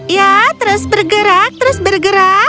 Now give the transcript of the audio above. ya terus bergerak terus bergerak